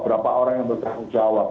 berapa orang yang bertanggung jawab